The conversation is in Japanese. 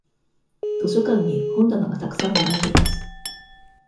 図書館に本棚がたくさん並んでいます。